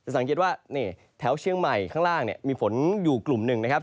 สังเกตว่าแถวเชียงใหม่ข้างล่างมีฝนอยู่กลุ่มหนึ่งนะครับ